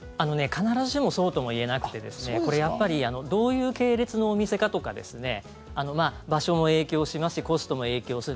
必ずしもそうとは言えなくてどういう系列のお店かとか場所も影響しますしコストも影響する